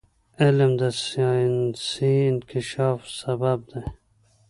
علم د ساینسي انکشاف سبب دی.